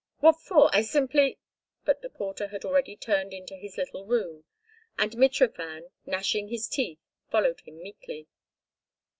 "What for? I simply—" But the porter had already turned into his little room, and Mitrofan, gnashing his teeth, followed him meekly.